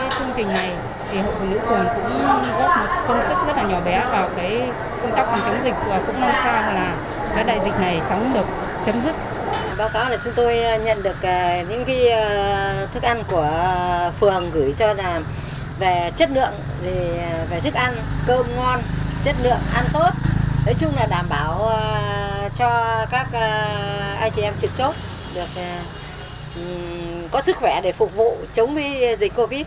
cho các anh chị em trực tốc có sức khỏe để phục vụ chống dịch covid